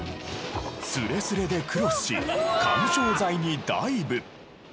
スレスレでクロスし緩衝材にダイブ。